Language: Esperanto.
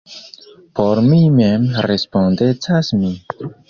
Por mi mem respondecas mi.